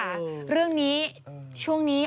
อืมเออเรื่องนี้ช่วงนี้